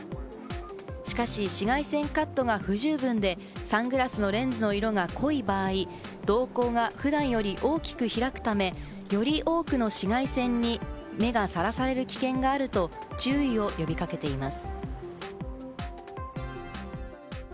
しかし紫外線カットが不十分で、サングラスのレンズの色が濃い場合、瞳孔が普段より大きく開くため、より多くの紫外線に目がさらされる危険があると注意を呼び掛けています。